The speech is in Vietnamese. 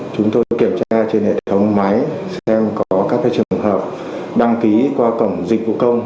chúng tôi kiểm tra trên hệ thống máy xem có các trường hợp đăng ký qua cổng dịch vụ công